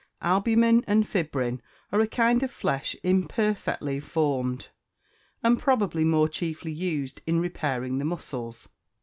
Albumen and fibrin are a kind of flesh imperfectly formed, and probably are chiefly used in repairing the muscles.